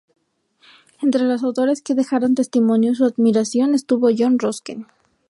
Entre los autores que dejaron testimonio su admiración estuvo John Ruskin.